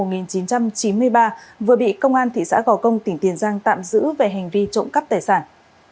đối tượng phạm quốc dũng sinh năm một nghìn chín trăm chín mươi ba vừa bị công an thị xã gò công tỉnh tiền giang tạm giữ về hành vi trộm cắp tài sản